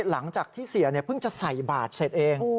หลังจากที่เสียเพิ่งจะใส่บาทเสร็จเอง